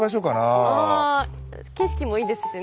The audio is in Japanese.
景色もいいですしね。